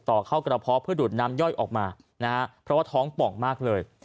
เข้ากระเพาะเพื่อดูดน้ำย่อยออกมานะฮะเพราะว่าท้องป่องมากเลย